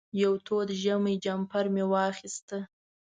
یو تود ژمنی جمپر مې واخېست.